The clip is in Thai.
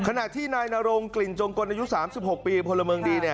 ขณะที่นายนารงกลิ่นจงติดตั้ง๓๖ปีพลเมิงดี